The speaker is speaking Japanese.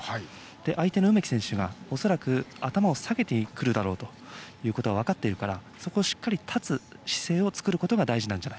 相手の梅木選手は恐らく頭を下げてくるということは分かっているからそこをしっかり断つ姿勢を作ることが大事だと。